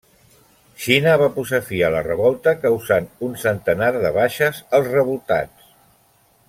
Xina va posar fi a la revolta causant un centenar de baixes als revoltats.